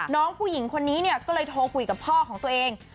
น้องผู้หญิงคนนี้เนี่ยก็เลยโทรคุยกับพ่อของตัวเอง